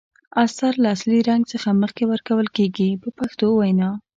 استر له اصلي رنګ څخه مخکې ورکول کیږي په پښتو وینا.